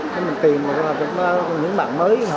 thì mình tìm một trong những bạn mới